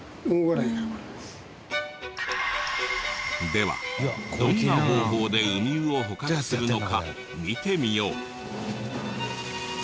ではどんな方法でウミウを捕獲するのか見てみよう。